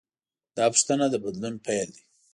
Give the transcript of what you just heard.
دا پوښتنه د بدلون پیل دی.